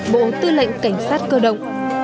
bộ tư lệnh cảnh sát cơ động